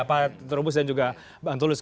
pak trubus dan juga bang tulus